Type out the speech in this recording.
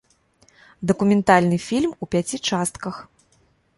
Дакументальны фільм у пяці частках.